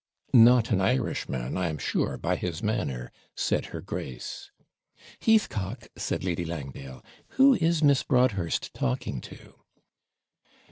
'Not an Irishman, I am sure, by his manner,' said her grace. 'Heathcock!' said Lady Langdale, 'who is Miss Broadhurst talking to?'